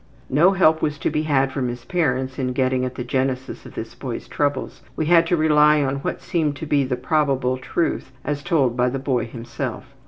No help was to be had from his parents in getting at the genesis of this boy's troubles; we had to rely on what seemed to be the probable truth as told by the boy himself.